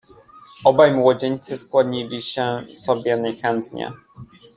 "Obaj młodzieńcy skłonili się sobie niechętnie."